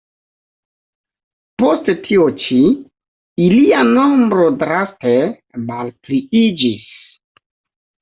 Post tio ĉi, ilia nombro draste malpliiĝis.